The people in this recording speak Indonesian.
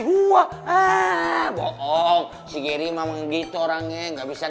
ya pokoknya kalian nyari en reverb fayd